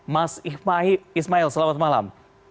mas ismail selamat malam